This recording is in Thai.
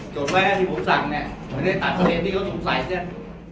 โจทย์แวะที่ผมสั่งเนี้ยไม่ได้ตัดเศรษฐ์ที่เขาถูกใส่เซ็น